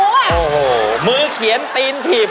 โอ้โหมือเขียนตีนถีบ